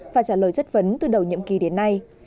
và trả lời chất vấn từ đầu nhiệm kỳ đến nay